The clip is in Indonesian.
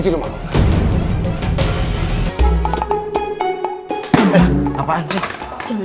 sumpah mati kau